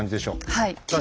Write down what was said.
はい。